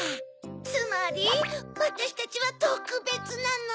つまりわたしたちはとくべつなの。